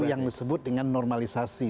yang disebut dengan normalisasi